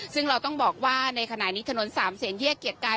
ซึ่งเราต้องบอกว่าในขณะนี้ถนนสามเศษแยกเกียรติกาย